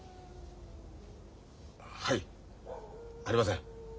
はいありません。